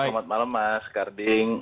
selamat malam mas garding